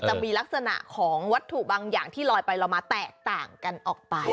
จะมีลักษณะของวัตถุบางอย่างที่ลอยไปลอยมาแตกต่างกันออกไป